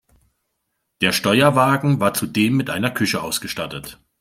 Der Steuerwagen war zudem mit einer Küche ausgestattet.